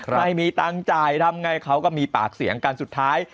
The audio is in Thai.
ไม่มีตังค์จ่ายทำไงเขาก็มีปากเสียงกันสุดท้าย